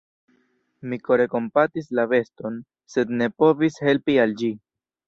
Mi kore kompatis la beston, sed ne povis helpi al ĝi.